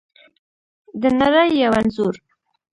د نړۍ یو انځور